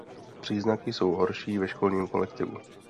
Příznaky jsou horší ve školním kolektivu.